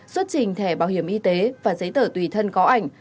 xuất trình thẻ bảo hiểm y tế và giấy tờ tùy thân có ảnh